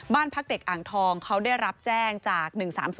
บ้านพักเด็กอ่างทองเขาได้รับแจ้งจาก๑๓๐